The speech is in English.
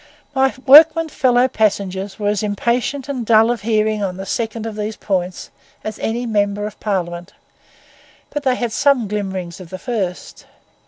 My workmen fellow passengers were as impatient and dull of hearing on the second of these points as any member of Parliament; but they had some glimmerings of the first.